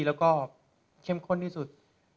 แล้วก็เข้มข้นที่สุด